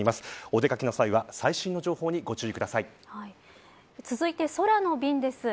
お出掛けの際は最新の情報にご注意くださ続いて空の便です。